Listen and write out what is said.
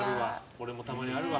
俺もたまにあるわ。